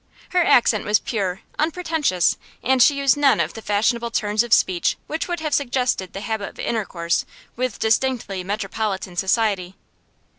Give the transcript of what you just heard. Her accent was pure, unpretentious; and she used none of the fashionable turns of speech which would have suggested the habit of intercourse with distinctly metropolitan society.